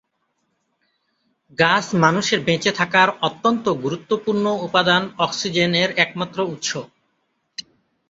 গাছ মানুষের বেঁচে থাকার অত্যন্ত গুরুত্বপূর্ণ উপাদান অক্সিজেন এর একমাত্র উৎস।